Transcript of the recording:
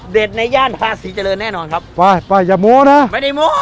เด็ดในย่านภาษีเจริญแน่นอนครับไปไปอย่าโม้นะไม่ได้โม้